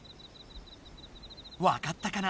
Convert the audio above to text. わかったかな？